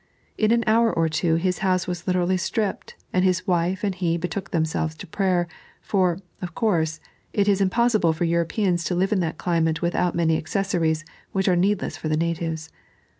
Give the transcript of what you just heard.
In an hour or two his house was literally stripped, and his vrife and he betook themselves to prayer, for, of course, it is impossible for Europeans to live in that climate without many accessories which are needless for the natives.